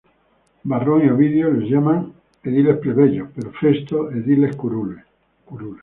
Varrón y Ovidio les llaman ediles plebeyos, pero Festo ediles curules.